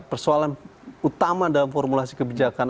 persoalan utama dalam formulasi kebijakan